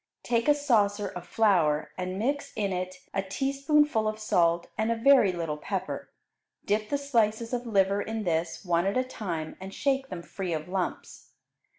Take a saucer of flour and mix in it a teaspoonful of salt and a very little pepper; dip the slices of liver in this, one at a time, and shake them free of lumps.